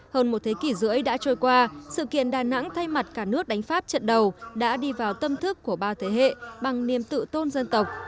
hơn một thế kỷ rưỡi đã trôi qua sự kiện đà nẵng thay mặt cả nước đánh pháp trận đầu đã đi vào tâm thức của ba thế hệ bằng niềm tự tôn dân tộc